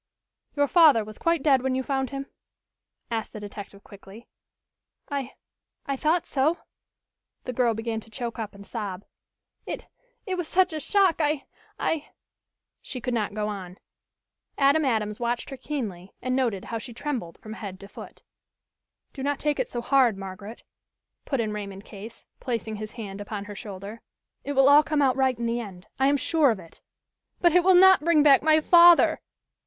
"Your father was quite dead when you found him?" asked the detective quickly. "I I thought so." The girl began to choke up and sob. "It it was such a shock I I " She could not go on. Adam Adams watched her keenly and noted how she trembled from head to foot. "Do not take it so hard, Margaret," put in Raymond Case, placing his hand upon her shoulder. "It will all come out right in the end I am sure of it." "But it will not bring back my father!"